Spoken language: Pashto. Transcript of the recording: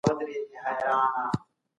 روایتونه د تاریخي پیښو ښودنه کوي.